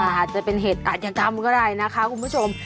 อาจจะเป็นเหตุอาจยกรรมก็ได้นะคะคุณผู้ชม